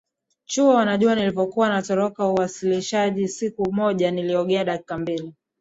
chuo wanajua nilivyo kuwa natoroka uwasilishaji siku moja niliogea dakika mbili